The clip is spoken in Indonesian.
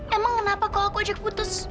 emang kenapa kalau aku aja putus